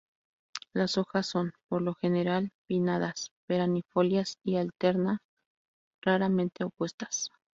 Las hojas son, por lo general, pinnadas, perennifolias y alternas, raramente opuestas.